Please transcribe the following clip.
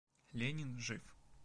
Ленин — жив.